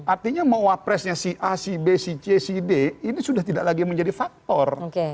artinya mau wapresnya si a si b si c si b ini sudah tidak lagi menjadi faktor